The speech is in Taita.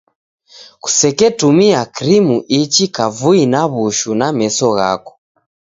Kuseketumia krimu ichi kavui na w'ushu na meso ghako.